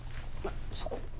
そこ。